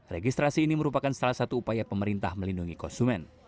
registrasi ini merupakan salah satu upaya pemerintah melindungi konsumen